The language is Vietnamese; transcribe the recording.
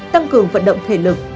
tăng cường vận động thể lực